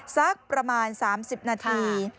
สักประมาณ๓๐นาที